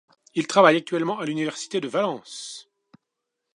Il travaille actuellement à l’Université de Valence.